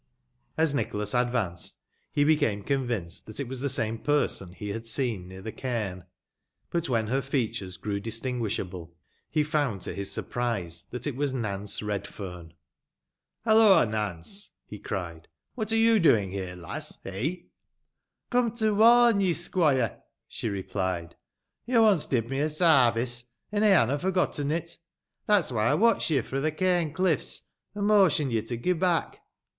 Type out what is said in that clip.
As Nicbolas advanced, be became convinced tbat it was tbe same person be bad seen near tbe cadm; but, wben ber features grew distinguisbable, be found to bis surprise tbat it was Nance Eedfeme. "Halloa! Nance/' he cried. "Wbat are you doing bere^ lass, eb P" THE LANCASHDRE WITCHES. 459 "Cum to warn ye, squoire," she replied; "yo once did me a saarrioe, an' ey hanna forgetten it. That'a why I watched ye fro* the caim cüffs, and motioned ye to ge back.